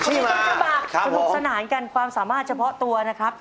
สนุกสนานกันความสามารถเฉพาะตัวนะครับ